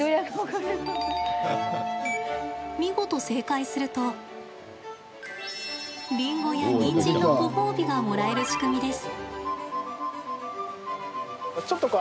見事、正解するとリンゴやニンジンのごほうびがもらえる仕組みです。